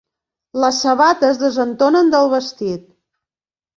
Les sabates desentonen del vestit.